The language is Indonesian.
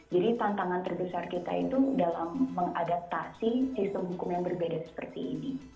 jadi tantangan terbesar kita itu dalam mengadaptasi sistem hukum yang berbeda seperti ini